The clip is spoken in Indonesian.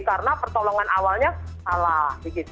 karena pertolongan awalnya salah